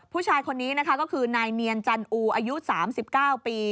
ผู้ชายคนนี้นะคะก็คือนายเนียนจันอูอายุ๓๙ปี